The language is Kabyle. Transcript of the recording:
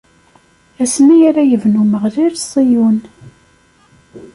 Asmi ara yebnu Umeɣlal Ṣiyun.